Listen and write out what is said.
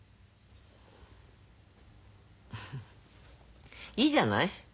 フフッいいじゃない。